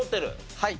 はい。